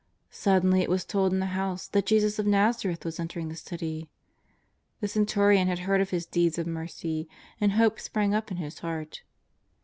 Suddenly it was told in the house that Jesus of l!^azareth was entering the city. The centurion had heard of His deeds of mercy, and hope sprang up in his heart.